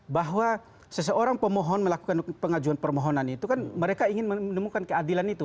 bahwa seseorang pemohon melakukan pengajuan permohonan itu kan mereka ingin menemukan keadilan itu